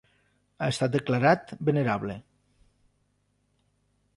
Ha estat declarat venerable.